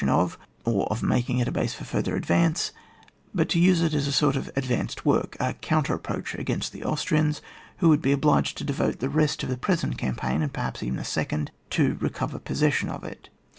eion of, or of making it a base for further advance, but to use it as a sort of ad vanced work, a counter approach against tbe Austrians, wbo would be obliged to devote the rest of the present campaign, and perhaps even a second, to recover possession of it.